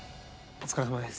お疲れさまです！